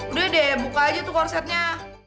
udah deh buka aja tuh konsepnya